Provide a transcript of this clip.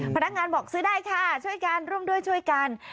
พนักงานบอกซื้อได้ค่ะช่วยกันร่วมด้วยช่วยกัน